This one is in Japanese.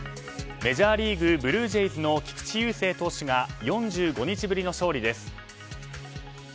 メジャーリーグブルージェイズの菊池雄星投手が４５日ぶりの勝利です。